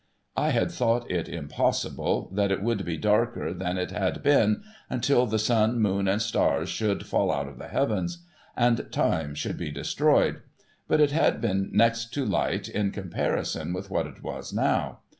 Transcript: I had thought it impossible that it could be darker than it had been, until the sun, moon, and stars should fall out of the Heavens, and Time should be destroyed ; but, it had been next to light, in comparison with what it was now.